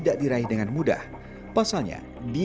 dan diantara mereka didi dan hilda mencari kebanggaan yang lebih baik